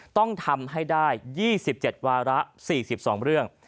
ต้องทำให้ได้๒๗วาระ๔๒เรื่อง